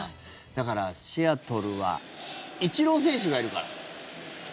だからシアトルはイチロー選手がいるから。